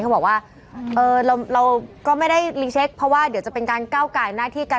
เขาบอกว่าเราก็ไม่ได้รีเช็คเพราะว่าเดี๋ยวจะเป็นการก้าวไก่หน้าที่กัน